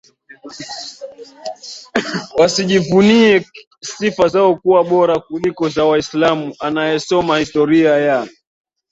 wasijivunie sifa zao kuwa bora kuliko za Waislamu Anayesoma Historia ya